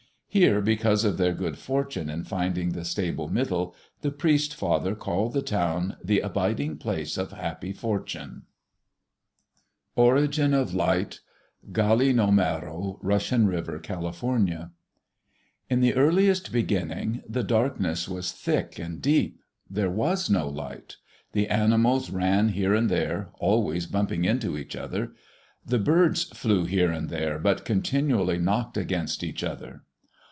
Here because of their good fortune in finding the stable Middle, the priest father called the town the Abiding place of happy fortune. (1) The earth was flat and round, like a plate. (2) Lava. Origin of Light Gallinomero (Russian River, Cal.) In the earliest beginning, the darkness was thick and deep. There was no light. The animals ran here and there, always bumping into each other. The birds flew here and there, but continually knocked against each other.